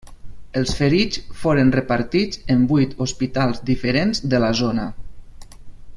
Els ferits foren repartits en vuit hospitals diferents de la zona.